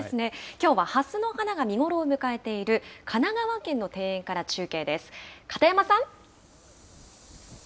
きょうははすの花が見頃を迎えている、神奈川県の庭園から中継です。